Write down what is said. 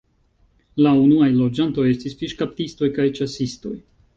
La unuaj loĝantoj estis fiŝkaptistoj kaj ĉasistoj.